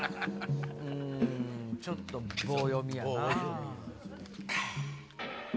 ちょっと棒読みやな。